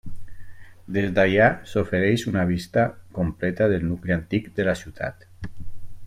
Des d'allà s'ofereix una vista completa del nucli antic de la ciutat.